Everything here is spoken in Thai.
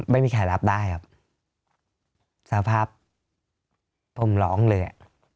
ไม่มีใครรับได้ครับสภาพผมร้องเลยอ่ะ